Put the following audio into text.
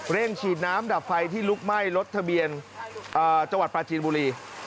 ฉีดน้ำดับไฟที่ลุกไหม้รถทะเบียนจังหวัดปลาจีนบุรี